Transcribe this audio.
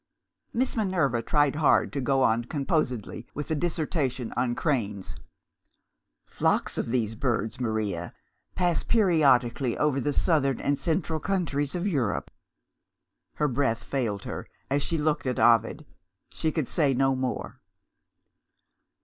Miss Minerva tried hard to go on composedly with the dissertation on cranes. "Flocks of these birds, Maria, pass periodically over the southern and central countries of Europe" Her breath failed her, as she looked at Ovid: she could say no more.